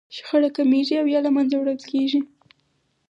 شخړه کمیږي او يا له منځه وړل کېږي.